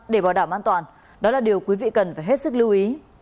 để bảo đảm an toàn đó là điều quý vị cần phải hết sức lưu ý